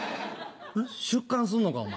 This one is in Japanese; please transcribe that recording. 出棺すんのかお前。